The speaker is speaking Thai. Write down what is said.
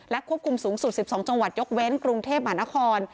ควบคุมสูงสุด๑๒จังหวัดยกเว้นกรุงเทพหมานคร